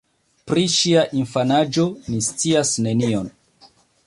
Pri ŝia infanaĝo ni scias nenion.